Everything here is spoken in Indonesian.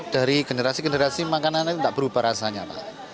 dari generasi generasi makanan itu tidak berubah rasanya pak